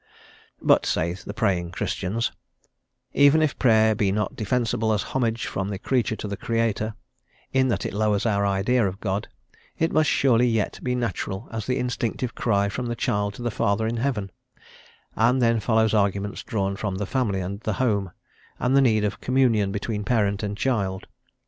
But, say the praying Christians, even if Prayer be not defensible as homage from the creature to the Creator, in that it lowers our idea of God, it must surely yet be natural as the instinctive cry from the child to the Father in heaven; and then follow arguments drawn from the family and the home, and the need of communion between parent and child.